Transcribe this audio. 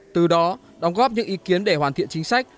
từ đó đóng góp những ý kiến để hoàn thiện chính sách